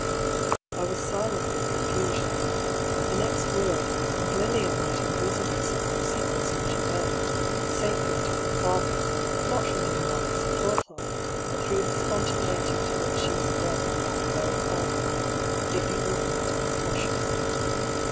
I was silent with confusion. The next word, and Lilia might unbosom herself of secrets not her own — sacred to her father — ^not from any malice aforethought, but through the spontaneity to which she was bred by that very father. It behoved me to be cautious.